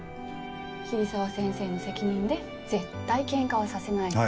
桐沢先生の責任で絶対喧嘩はさせないと？